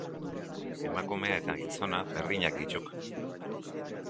Emakumea eta gizona berdinak dituk.